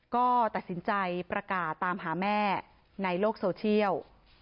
ก็ตัดสินใจประกาศตามหาแม่ในโลกโซเชียล